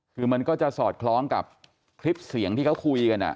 คือมันก็จะสอดคล้องกับคลิปเสียงที่เขาคุยกัน